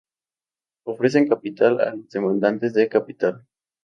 Ofrecen capital a los demandantes de capital.